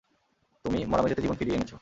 তুমি, মরা মেঝেতে জীবন ফিরিয়ে এনেছো।